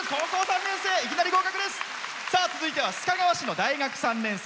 続いては須賀川市の大学３年生。